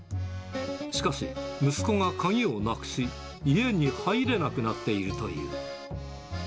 しかし、息子が鍵をなくし、家に入れなくなっているという。